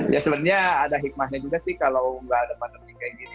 ya sebenarnya ada hikmahnya juga sih kalau nggak ada pandemi kayak gini